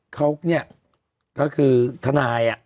เขาเนี่ยก็คือทนาย